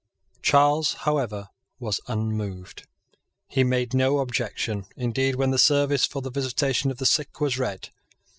Charles however was unmoved. He made no objection indeed when the service for the visitation of the sick was read.